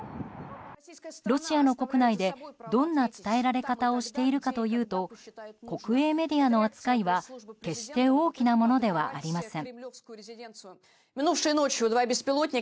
ロシアの国内でどんな伝えられ方をしているかというと国営メディアの扱いは決して大きなものではありません。